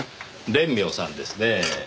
蓮妙さんですねぇ。